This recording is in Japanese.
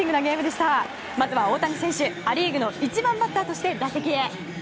まずは大谷選手ア・リーグの１番バッターとして打席へ。